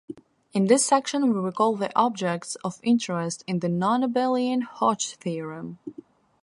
In this section we recall the objects of interest in the nonabelian Hodge theorem.